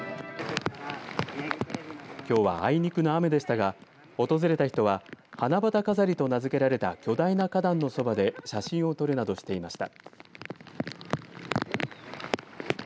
きょうは、あいにくの雨でしたが訪れた人は、はなばた飾りと名付けられた巨大な花壇のそばで写真を撮るなどしていました。